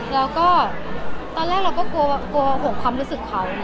แล้วก็ตอนแรกเราก็กลัวห่วงความรู้สึกเขา